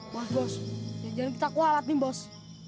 wah bos jangan jangan kita kualet nih bos